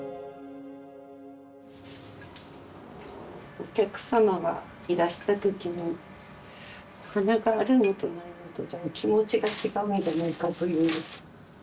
お客様がいらした時に花があるのとないのとじゃお気持ちが違うんじゃないかという。